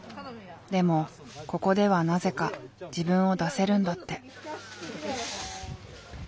でもここではなぜか自分を出せるんだって。